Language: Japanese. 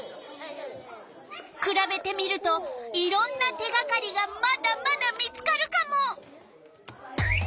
くらべてみるといろんな手がかりがまだまだ見つかるカモ！